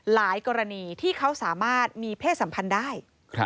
กรณีที่เขาสามารถมีเพศสัมพันธ์ได้